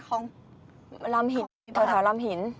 ของลำหินแถวลำหิน